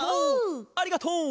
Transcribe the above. ありがとう！